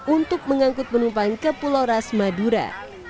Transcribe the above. untuk mengangkut penumpang ke pulau ras madura